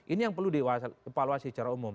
ini yang perlu dievaluasi secara umum